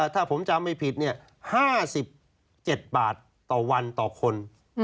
ถ้าผมจำไม่ผิด๕๗บาทต่อวันต่อคน